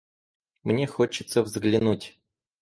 Мне хочется взглянуть.